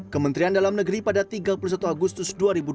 kementerian dalam negeri pada tiga puluh satu agustus dua ribu dua puluh